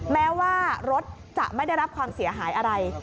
แม้ว่ารถจะไม่ได้รับความเสียหายอะไร